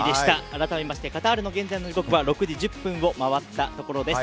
改めましてカタールの現在の時刻は６時１０分を回ったところです。